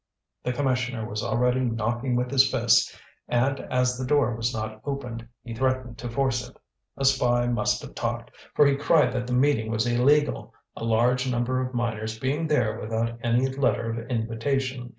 The commissioner was already knocking with his fist, and as the door was not opened, he threatened to force it. A spy must have talked, for he cried that the meeting was illegal, a large number of miners being there without any letter of invitation.